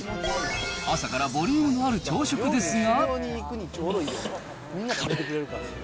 朝からボリュームのある朝食ですが。